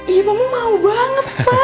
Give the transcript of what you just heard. iya mama mau banget pak